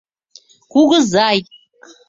«Кугызай